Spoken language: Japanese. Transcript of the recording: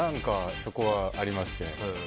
そこは何か、ありまして。